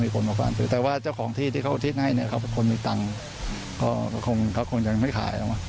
เค้าคงยังไม่ขายหรอกว่า